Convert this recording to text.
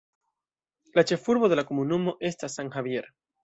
La ĉefurbo de la komunumo estas San Javier.